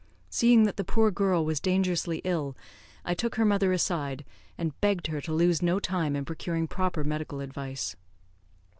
Seeing that the poor girl was dangerously ill, I took her mother aside, and begged her to lose no time in procuring proper medical advice.